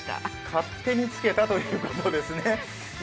勝手につけたということですね。